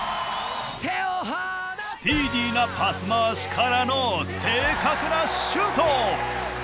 スピーディーなパス回しからの正確なシュート。